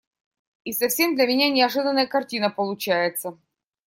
И совсем для меня неожиданная картина получается.